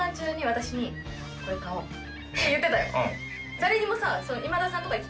誰にもさ。